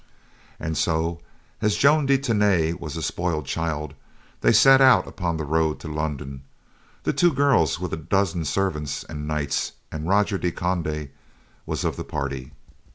And so, as Joan de Tany was a spoiled child, they set out upon the road to London; the two girls with a dozen servants and knights; and Roger de Conde was of the party.